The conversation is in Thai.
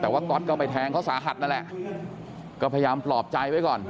แต่ว่าก๊อตก็ไปแทงเขาสาหัสนั่นแหละก็พยายามปลอบใจไว้ก่อน